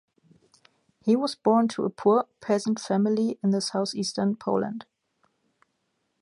He was born to a poor peasant family in the southeastern Poland.